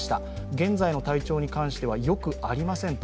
現在の体調に関してはよくありませんと。